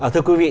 thưa quý vị